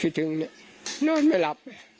มีเรื่องอะไรมาคุยกันรับได้ทุกอย่าง